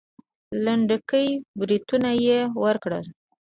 لنډکي برېتونه يې وګرول.